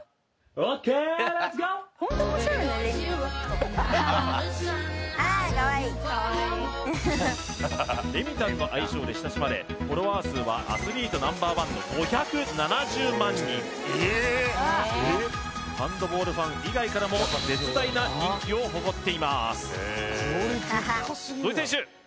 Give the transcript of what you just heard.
レッツゴーレミたんの愛称で親しまれフォロワー数はアスリートＮｏ．１の５７０万人ハンドボールファン以外からも絶大な人気を誇っています土井選手